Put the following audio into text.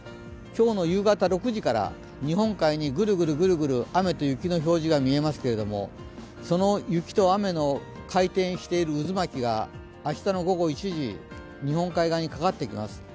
今日の夕方６時から、日本海にグルグル、雨と雪の表示が見えますけれども、その雪と雨の回転している渦巻きが明日の午後１時、日本海側にかかってきます。